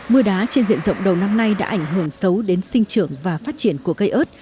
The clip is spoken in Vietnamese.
mưa đá trên diện rộng đầu năm nay đã ảnh hưởng xấu đến sinh trưởng và phát triển của cây ớt